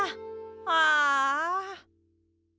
ああ。